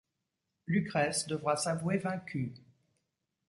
Lucrèce devra s'avouer vaincue.